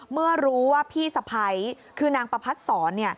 เมื่อรู้ว่าพี่สะพ้ายคือนางประพัดศร